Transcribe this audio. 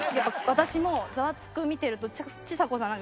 私も『ザワつく！』見てるとちさ子さん